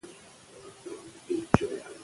که علم په پښتو وي، نو د پوهې غبار نلري.